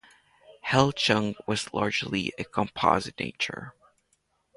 Helge Jung was largely a composite nature.